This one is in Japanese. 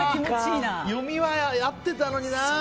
読みは合っていたのにな。